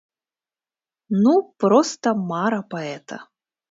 Ну, проста мара паэта!